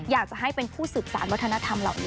อยากจะให้เป็นผู้สืบสารวัฒนธรรมเหล่านี้